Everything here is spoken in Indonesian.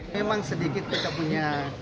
memang sedikit kita punya